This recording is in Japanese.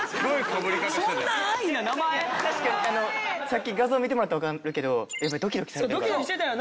さっき画像見てもらったらわかるけどやっぱりドキドキされてるから。